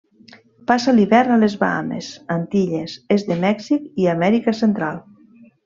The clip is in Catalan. Passa l'hivern a les Bahames, Antilles, est de Mèxic i Amèrica Central.